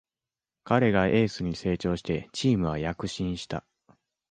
彼がエースに成長してチームは躍進した